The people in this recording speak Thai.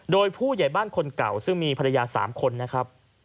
โดยผู้ใหญ่บ้านคนเก่าซึ่งมีภรรยา๓คนนะครับ